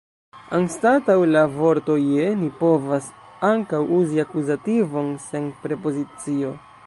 Anstataŭ la vorto « je » ni povas ankaŭ uzi akuzativon sen prepozicio.